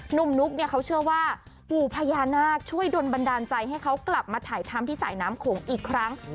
นุ๊กเนี่ยเขาเชื่อว่าปู่พญานาคช่วยดนบันดาลใจให้เขากลับมาถ่ายทำที่สายน้ำโขงอีกครั้ง